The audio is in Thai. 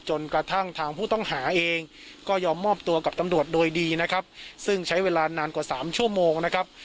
จนกระทั่งทางผู้ต้องหาเองก็ยอมมอบตัวกับตำรวจโดยดีนะครับซึ่งใช้เวลานานกว่าสามชั่วโมงนะครับ